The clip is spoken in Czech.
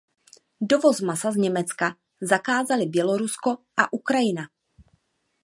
Dovoz masa z Německa zakázaly Bělorusko a Ukrajina.